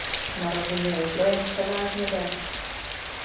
Na rovině je zdrojem převážně déšť.